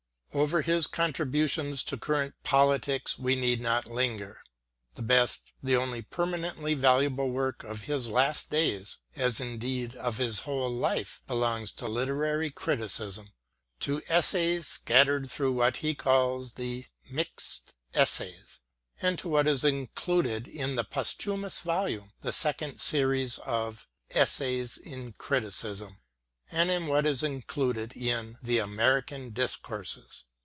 Over his contributions to cur rent politics we need not linger. The best, the only permanently valuable work of his last days,, as indeed of his whole life, belongs to literary criticism, to essays scattered through what he calls the " Mixed Essays " and to what is included in the posthumous volume, the second series of " Essays in Criticism," and in what is included in the " American Discourses."